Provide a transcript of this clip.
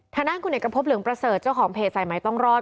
ทหาร่างคุณเอกพบเหลืองประเสริฐเจ้าของเพจใส่ไม้ต้องรอด